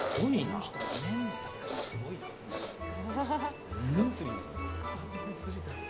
すごいな。